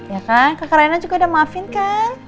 ya kan kakak rena juga udah maafin kan